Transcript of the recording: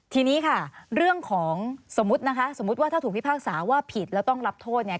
ทีนี้ค่ะเรื่องของสมมุตินะคะสมมุติว่าถ้าถูกพิพากษาว่าผิดแล้วต้องรับโทษเนี่ย